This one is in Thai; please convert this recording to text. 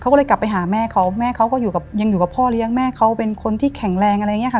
ก็เลยกลับไปหาแม่เขาแม่เขาก็อยู่กับยังอยู่กับพ่อเลี้ยงแม่เขาเป็นคนที่แข็งแรงอะไรอย่างนี้ค่ะ